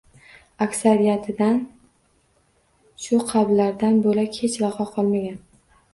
Aksariyatidan shu qabrlardan bo‘lak hech vaqo qolmagan.